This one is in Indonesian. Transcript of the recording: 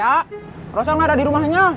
katanya rosa gak ada di rumahnya